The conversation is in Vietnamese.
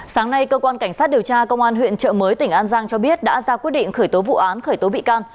sáng nay cơ quan cảnh sát điều tra công an huyện trợ mới tỉnh an giang cho biết đã ra quyết định khởi tố vụ án khởi tố bị can